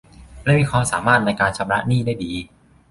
และมีความสามารถในการชำระหนี้ได้ดี